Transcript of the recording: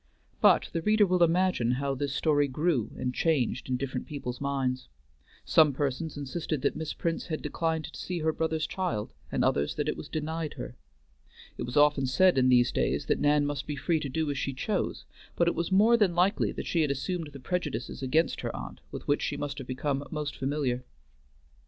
But the reader will imagine how this story grew and changed in different people's minds. Some persons insisted that Miss Prince had declined to see her brother's child, and others that it was denied her. It was often said in these days that Nan must be free to do as she chose, but it was more than likely that she had assumed the prejudices against her aunt with which she must have become most familiar.